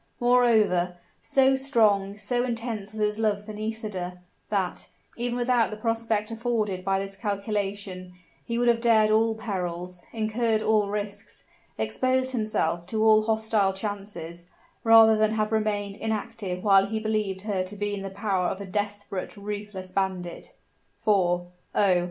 Moreover, so strong, so intense was his love for Nisida, that, even without the prospect afforded by this calculation, he would have dared all perils, incurred all risks, exposed himself to all hostile chances, rather than have remained inactive while he believed her to be in the power of a desperate, ruthless bandit. For, oh!